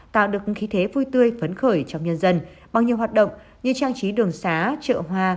tạo được khí thế vui tươi phấn khởi trong nhân dân bằng nhiều hoạt động như trang trí đường xá chợ hoa